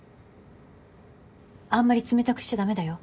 あんまり冷たくしちゃダメだよ。